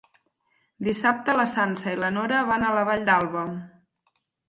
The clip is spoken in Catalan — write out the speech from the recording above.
Dissabte na Sança i na Nora van a la Vall d'Alba.